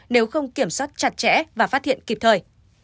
nếu không kiểm soát chặt chẽ và phát hiện kịp thời